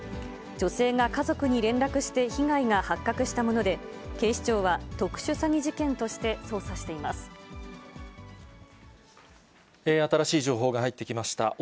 女性が家族に連絡して、被害が発覚したもので、警視庁は特殊詐欺事件として捜査していま新しい情報が入ってきました。